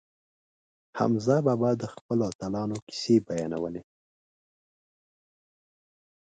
حمزه بابا د خپلو اتلانو کیسې بیانولې.